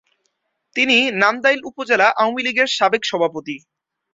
তিনি নান্দাইল উপজেলা আওয়ামী লীগের সাবেক সভাপতি।